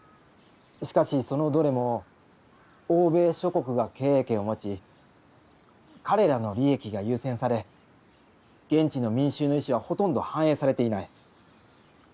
しかしそのどれも欧米諸国が経営権を持ち彼らの利益が優先され現地の民衆の意思はほとんど反映されていない。